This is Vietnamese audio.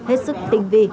hết sức tinh vi